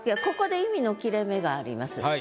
ここで意味の切れ目があります。